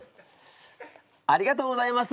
ありがとうございます。